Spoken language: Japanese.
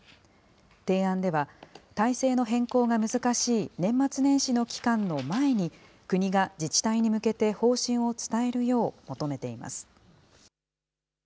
提案では、体制の変更が難しい年末年始の期間の前に、国が自治体に向けて方針を伝えるよう求めています。